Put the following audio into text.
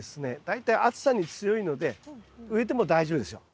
大体暑さに強いので植えても大丈夫ですよ。